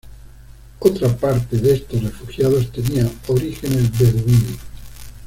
Otra parte de estos refugiados tenía orígenes beduinos.